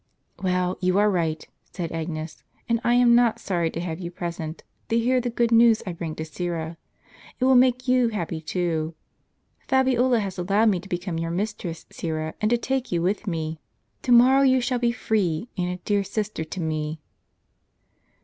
"Well, you are right," said Agnes, "and I am not sorry to have you present, to hear the good news I bring to Syra. It will make you happy too. Fabiola has allowed me to be come your mistress, Syra, and to take you with me. To morrow you shall be free, and a dear sister to me."